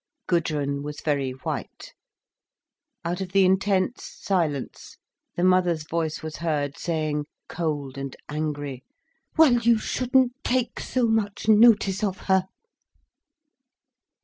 Gudrun was very white. Out of the intense silence, the mother's voice was heard saying, cold and angry: "Well, you shouldn't take so much notice of her."